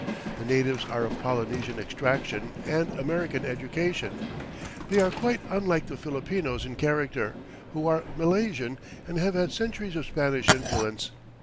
The natives are of Polynesian extraction and American education; they are quite unlike the Filipinos in character, who are Malaysian and have had centuries of Spanish influence.